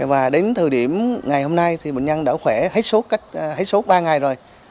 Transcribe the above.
và đến thời điểm ngày hôm nay thì bệnh nhân đã khỏe hết sốt ba ngày rồi